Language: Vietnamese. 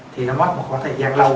thì nó mất một khoảng thời gian lâu